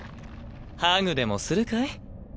ハグでもするかい？